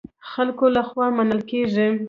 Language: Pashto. خلکو له خوا منل کېږي.